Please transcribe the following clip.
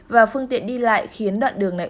và phương tiện đi lại khiến đoạn đường này